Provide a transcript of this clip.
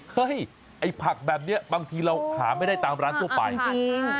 เฮ้ยไอ้ผักแบบนี้บางทีเราหาไม่ได้ตามร้านทั่วไปจริง